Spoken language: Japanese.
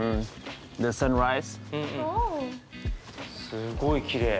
すごいきれい。